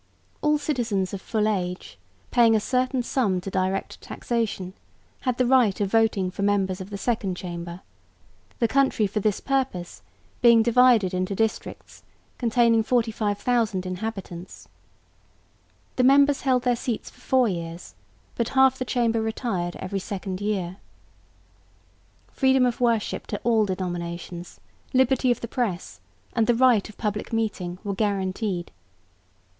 All citizens of full age paying a certain sum to direct taxation had the right of voting for members of the Second Chamber, the country for this purpose being divided into districts containing 45,000 inhabitants. The members held their seats for four years, but half the Chamber retired every second year. Freedom of worship to all denominations, liberty of the press and the right of public meeting were guaranteed.